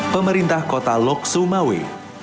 pemerintah kota lok sumawi